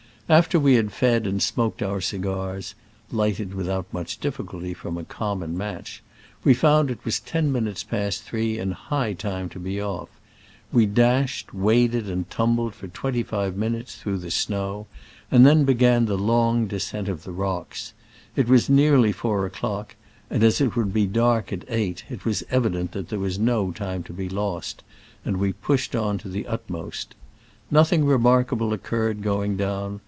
After we had fed and smoked our cigars (lighted without diffi culty from a common match), we found it was ten minutes past three, and high time to be off. We dashed, waded and tumbled for twenty five minutes through the snow, and then began the long de scent of the rocks. It was nearly four o'clock, and as it would be dark at eight, it was evident that there was no time to be lost, and we pushed on to the utmost. Nothing remarkable occurred going down.